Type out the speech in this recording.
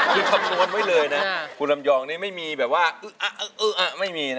คือคำนวณไว้เลยนะคุณลำยองนี่ไม่มีแบบว่าอึ๊ะไม่มีนะ